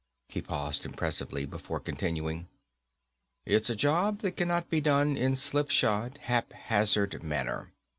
_ He paused impressively before continuing. _It's a job that cannot be done in slipshod, haphazard manner.